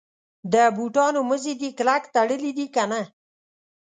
د بوټانو مزي دي کلک تړلي دي کنه.